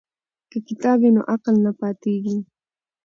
که کتاب وي نو عقل نه پاتیږي.